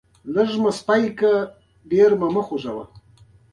ازادي راډیو د حیوان ساتنه لپاره عامه پوهاوي لوړ کړی.